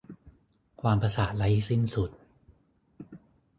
ความประสาทไร้สิ้นสุด